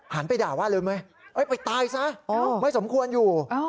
ไปด่าว่าเลยไหมไปตายซะไม่สมควรอยู่